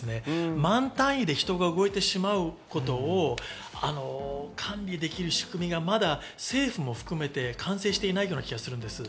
万単位で人が動いてしまうことを管理できる仕組みがまだ政府も含めて完成していない気がするんです。